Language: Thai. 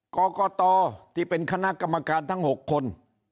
กรกตที่เป็นคณะกรรมการทั้ง๖คน